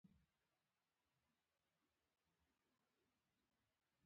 له مسافرو يې پوښتنې کولې.